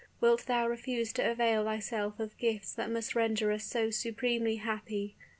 wilt thou refuse to avail thyself of gifts that must render us so supremely happy?